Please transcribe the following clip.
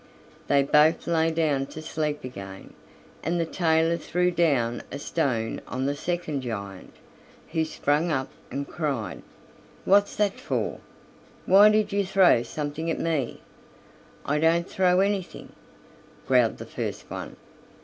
They both lay down to sleep again, and the tailor threw down a stone on the second giant, who sprang up and cried: "What's that for? Why did you throw something at me?" "I didn't throw anything," growled the first one.